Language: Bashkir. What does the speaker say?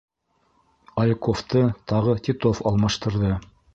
Альковты тағы Титов алмаштырҙы.